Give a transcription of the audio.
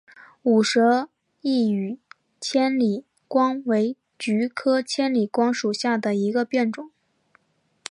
无舌异羽千里光为菊科千里光属下的一个变种。